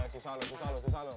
susah lu susah lu